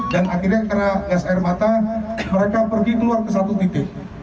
dan akhirnya karena gas air mata mereka pergi keluar ke satu titik